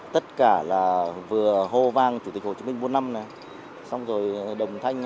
tất cả là vừa hô vang chủ tịch hồ chí minh bốn năm xong rồi đồng thanh hát bài những của bá hồ chúng mưu để thắng